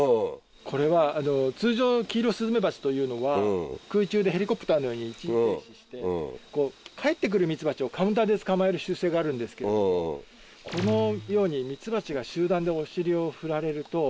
これは通常キイロスズメバチというのは空中でヘリコプターのように一時停止して帰って来るミツバチをカウンターで捕まえる習性があるんですけどこのようにミツバチが。